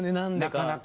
なかなか。